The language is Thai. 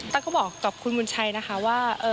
ตั๊กก็บอกกับคุณมุนชัยนะคะว่า